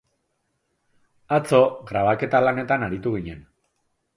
Atzo, grabaketa lanetan aritu ginen